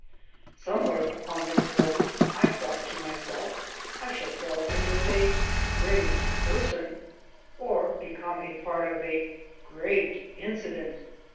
Somewhere upon this road, I thought to myself, I shall fall in with a Great Person, or become a part of a Great Incident.